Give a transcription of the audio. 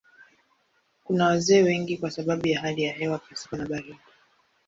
Kuna wazee wengi kwa sababu ya hali ya hewa pasipo na baridi.